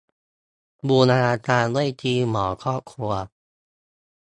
บูรณาการด้วยทีมหมอครอบครัว